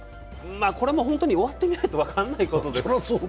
これも終わってみないと分からないですね。